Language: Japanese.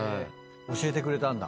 教えてくれたんだ。